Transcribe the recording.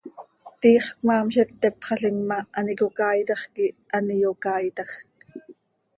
Tiix cmaam z itteepxalim ma, an icocaaitax quih an iyocaaitajc.